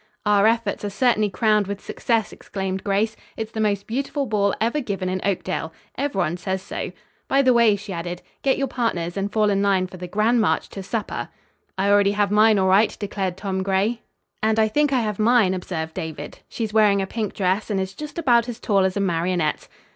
"Our efforts are certainly crowned with success," exclaimed Grace. "It's the most beautiful ball ever given in Oakdale. Everyone says so. By the way," she added, "get your partners and fall in line for the grand march to supper." "I already have mine, all right," declared Tom Gray. "And I think I have mine," observed David. "She's wearing a pink dress and is just about as tall as a marionette."